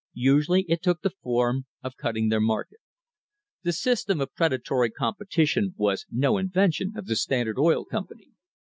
Usually it took the form of cutting their market. The system of "predatory competition" was no invention of the Standard Oil Company.